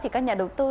thì các nhà đầu tư